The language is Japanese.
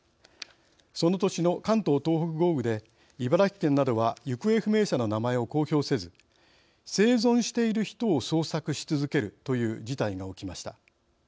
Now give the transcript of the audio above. その年の関東東北豪雨で茨城県などは行方不明者の名前を公表せず生存している人を捜索し続けるという事態が起きました。